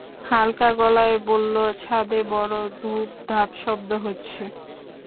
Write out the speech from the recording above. হালকা গলায় বলল, ছাদে বড় ধুপধাপ শব্দ হচ্ছে?